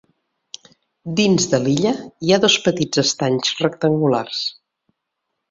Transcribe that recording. Dins de l'illa hi ha dos petits estanys rectangulars.